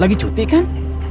lagi cuti kan